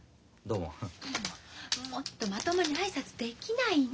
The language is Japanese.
もっとまともに挨拶できないの？